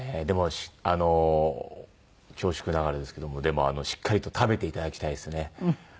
でも恐縮ながらですけどもでもしっかりと食べていただきたいですね。